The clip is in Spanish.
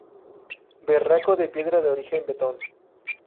Verraco de piedra de origen vetón.